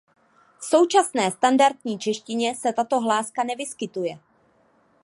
V současné standardní češtině se tato hláska nevyskytuje.